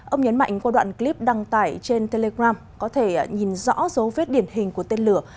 ông nhấn mạnh qua đoạn clip đăng tải trên telegram có thể nhìn rõ dấu vết điển hình của tên lửa